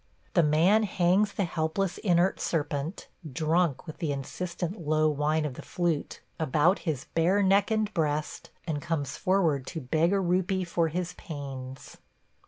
The man hangs the helpless inert serpent – drunk with the insistent low whine of the flute – about his bare neck and breast, and comes forward to beg a rupee for his pains.